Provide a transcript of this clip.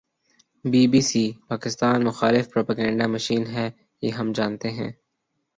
Be B C, Pakistan مخالف propaganda machine ہے۔ یہ ہم جانتے ہیں